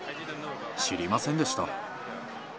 知りませんでした。